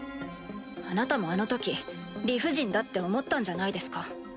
あなたもあのとき理不尽だって思ったんじゃないですか？